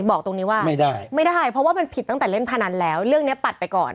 บอกตรงนี้ว่าไม่ได้ไม่ได้เพราะว่ามันผิดตั้งแต่เล่นพนันแล้วเรื่องนี้ปัดไปก่อน